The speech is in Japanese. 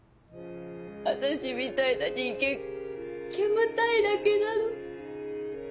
私みたいな人間煙たいだけなの。